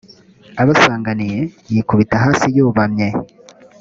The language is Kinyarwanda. abasanganire yikubita hasi yubamye